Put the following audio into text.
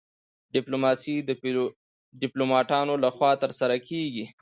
ډیپلوماسي د ډیپلوماتانو لخوا ترسره کیږي